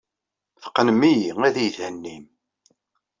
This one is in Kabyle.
Teqqnem-iyi ad iyi-thennim.